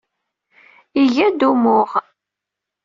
Iga-d umuɣ.